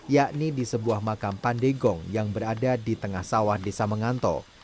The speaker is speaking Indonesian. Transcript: yakni di sebuah makam pandegong yang berada di tengah sawah desa mengantong